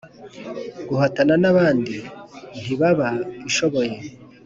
guhatanA nabandi ntibabaishoboye